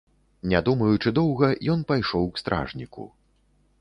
Не думаючы доўга, ён пайшоў к стражніку.